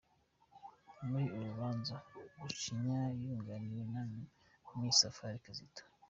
Muri uru rubanza, Gacinya yunganiwe na Me Safari Kizito.